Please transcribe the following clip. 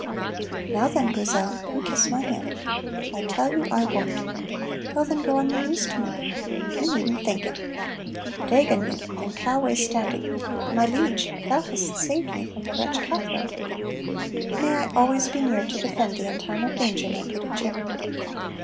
("Now, then, Grizel, you kiss my hand.") ("I tell you I won't.") ("Well, then, go on your knees to me.") ("You needn't think it.") ("Dagon you! Then ca' awa' standing.") "My liege, thou hast saved me from the wretch Cathro." "May I always be near to defend thee in time of danger, my pretty chick."